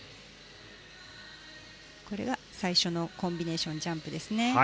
これは最初のコンビネーションジャンプです。